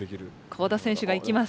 江田選手がいきます。